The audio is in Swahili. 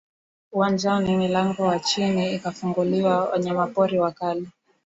uwanjani milango ya chini ikafunguliwa Wanyamapori wakali